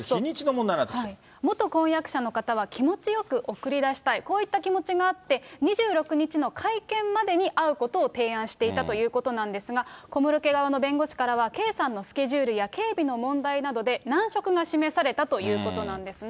これ、元婚約者の方は、気持ちよく送り出したい、こういった気持ちがあって、２６日の会見までに会うことを提案していたということなんですが、小室家側の弁護士からは、圭さんのスケジュールや警備の問題などで、難色が示されたということなんですね。